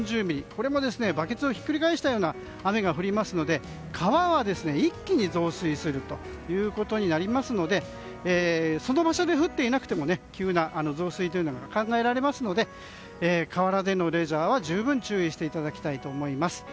これもバケツをひっくり返したような雨が降りますので川は一気に増水するということになりますのでその場所で降っていなくても急な増水が考えられますので河原でのレジャーは十分注意していただきたいと思います。